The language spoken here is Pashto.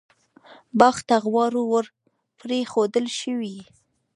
باغ ته غواوې ور پرېښودل شوې.